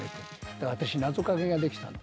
だから私、なぞかけができたの。